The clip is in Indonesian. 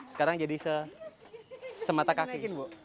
sekarang jadi semata kaki